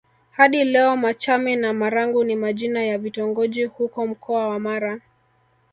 Hadi leo Machame na Marangu ni majina ya vitongoji huko Mkoa wa Mara